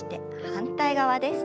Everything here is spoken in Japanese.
反対側です。